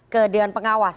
ke dewan pengawas